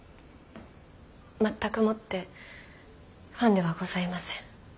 まったくもってファンではございません。